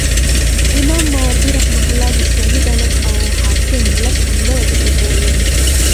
امام ماوردي رحمه الله د اسلامي دولت او حاکم لس عمده وظيفي ښوولي دي